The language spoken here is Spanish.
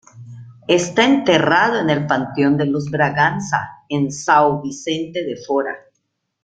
Está enterrado en el Panteón de los Braganza, en São Vicente de Fora.